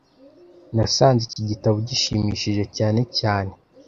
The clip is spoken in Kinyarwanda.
Nasanze iki gitabo gishimishije cyane cyane